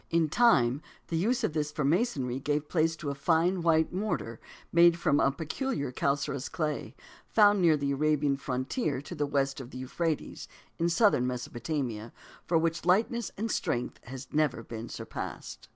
In time, the use of this for masonry gave place to a fine white mortar made from a peculiar calcareous clay, found near the Arabian frontier to the west of the Euphrates in southern Mesopotamia, which for lightness and strength has never been surpassed.